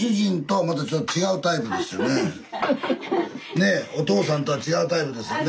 ねえおとうさんとは違うタイプですよね。